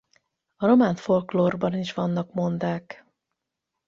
A román folklórban is vannak mondák.